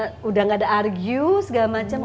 sudah nggak ada argue segala macam